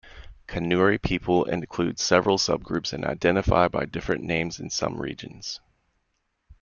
Kanuri peoples include several subgroups, and identify by different names in some regions.